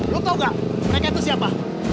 lo tau gak mereka itu siapa